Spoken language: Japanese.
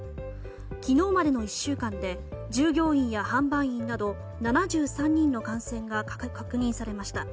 昨日までの１週間で従業員や販売員など７３人の感染が確認されました。